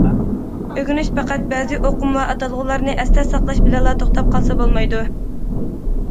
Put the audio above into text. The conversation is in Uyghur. ئۆگىنىش پەقەت بەزى ئۇقۇم ۋە ئاتالغۇلارنى ئەستە ساقلاش بىلەنلا توختاپ قالسا بولمايدۇ.